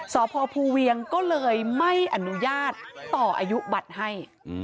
สพภูเวียงก็เลยไม่อนุญาตต่ออายุบัตรให้